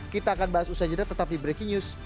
kita akan bahas usaha jeda tetapi breaking news